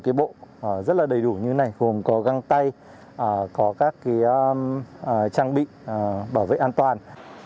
cái bộ rất là đầy đủ như thế này gồm có găng tay có các trang bị bảo vệ an toàn